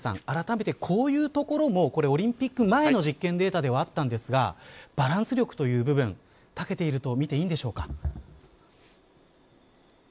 あらためてこういうところもオリンピック前の実験データではあったんですがバランス力という部分たけていると見ていいんです